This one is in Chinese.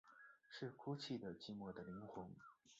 是哭泣的寂寞的灵魂